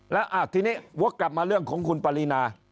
แล้วทีนี้วกกลับมาเรื่องของคุณปรินา